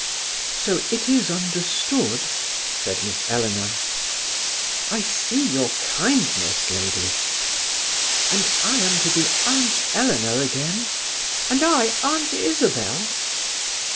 "So, it is understood?" said Miss Eleanor. "I see your kindness, ladies." "And I am to be Aunt Eleanor again?" "And I Aunt Isabel?"